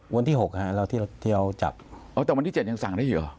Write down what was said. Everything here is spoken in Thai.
วันที่๖ครับแล้วที่เราจับแต่วันที่๗ยังสั่งได้หรือ